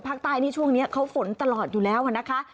ภาคใต้นี่ช่วงนี้เขาฝนตลอดอยู่แล้วนะคะ